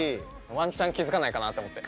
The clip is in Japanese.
ワンチャン気付かないかなと思って。